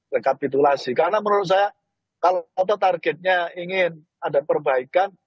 rekapitulasi karena menurut saya kalau ada targetnya ingin ada perbaikan